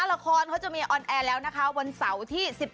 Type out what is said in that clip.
ละครเขาจะมีออนแอร์แล้วนะคะวันเสาร์ที่๑๘